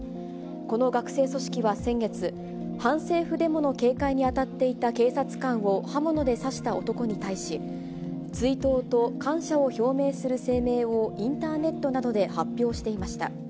この学生組織は先月、反政府デモの警戒に当たっていた警察官を刃物で刺した男に対し、追悼と感謝を表明する声明をインターネットなどで発表していました。